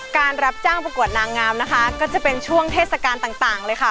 การรับจ้างประกวดนางงามนะคะก็จะเป็นช่วงเทศกาลต่างเลยค่ะ